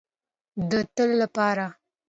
د تل لپاره.